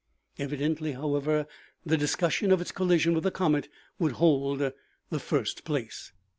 Evidently, however, the discussion of its collision with the comet would hold the first place.